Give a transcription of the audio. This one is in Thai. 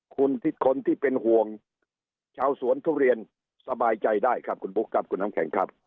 คุณคนที่เป็นห่วงชาวสวนทุเรียนสบายใจได้ครับคุณบุ๊คครับคุณน้ำแข็งครับ